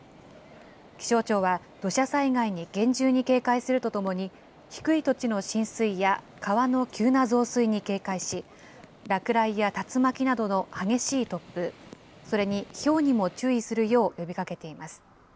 気象庁は土砂災害に厳重に警戒するとともに、低い土地の浸水や川の急な増水に警戒し、落雷や竜巻などの激しい突風、それにひょうにも注意するよう呼びかけています。